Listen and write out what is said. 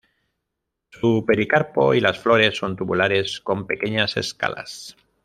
Su pericarpo y las flores son tubulares con pequeñas escalas.